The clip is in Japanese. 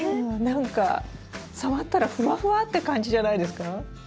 何か触ったらふわふわって感じじゃないですか？